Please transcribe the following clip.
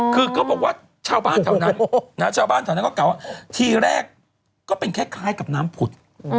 คือก็บอกว่าชาวบ้านไหนเกาะที่แรกก็เป็นคล้ายกับน้ำผุด